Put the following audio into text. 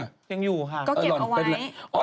ยังอยู่ค่ะค่ะก็เก็บเอาไว้